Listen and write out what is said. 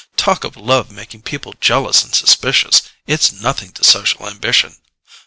Talk of love making people jealous and suspicious—it's nothing to social ambition!